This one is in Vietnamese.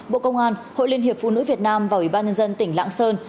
bộ công an hội liên hiệp phụ nữ việt nam và ủy ban nhân dân tỉnh lạng sơn